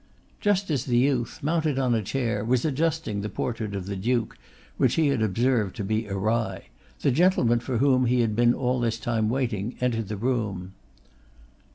Just as the youth, mounted on a chair, was adjusting the portrait of the Duke, which he had observed to be awry, the gentleman for whom he had been all this time waiting entered the room.